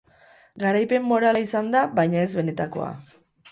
Garaipen morala izan da, baina ez benetakoa.